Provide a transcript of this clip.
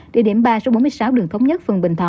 địa điểm ba số bốn mươi sáu đường thống nhất phường bình thọ